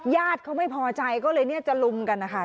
ญาติเขาไม่พอใจก็เลยจะลุมกันนะคะ